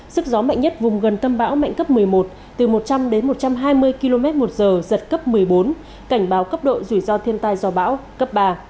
sức gió mạnh nhất vùng gần tâm bão mạnh cấp một mươi một từ một trăm linh đến một trăm hai mươi km một giờ giật cấp một mươi bốn cảnh báo cấp độ rủi ro thiên tai do bão cấp ba